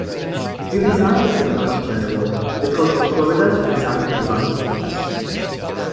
He resigned as Attorney General because of Florida's resign-to-run laws.